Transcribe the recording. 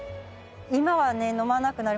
今はね飲まなくなりました。